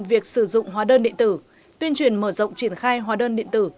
việc sử dụng hóa đơn điện tử tuyên truyền mở rộng triển khai hóa đơn điện tử